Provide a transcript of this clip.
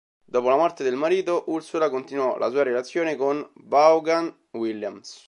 Dopo la morte del marito, Ursula continuò la sua relazione con Vaughan Williams.